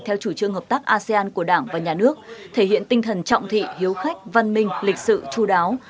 theo chủ trương hợp tác asean của đảng và nhà nước thể hiện tinh thần trọng thị hiếu khách văn minh lịch sự chú đáo